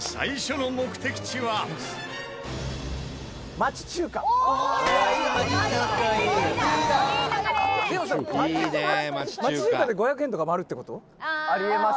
「町中華で５００円とかもあるって事？」